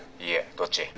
どっち？